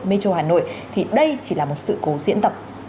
mê châu hà nội thì đây chỉ là một sự cố diễn tập